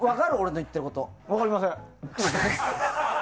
分かりません。